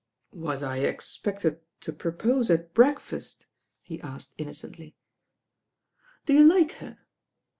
"Was I expected to propose at breakfast?" he asked innocently. "Do you like her?"